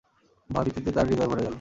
ভয়-ভীতিতে তার হৃদয় ভরে গেল।